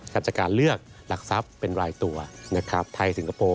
จากการเลือกหลักทรัพย์เป็นรายตัวนะครับไทยสิงคโปร์